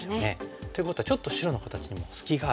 ということはちょっと白の形にも隙がある。